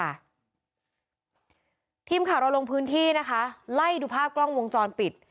ทีมข่าวเราลงพื้นที่นะคะไล่ดูภาพกล้องวงจรปิด